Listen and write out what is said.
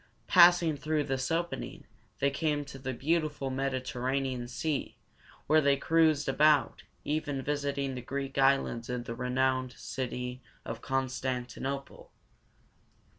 Passing through this opening, they came to the beautiful Med i ter ra´ne an Sea, where they cruised about, even visiting the Greek islands and the renowned city of Con stan ti no´ple.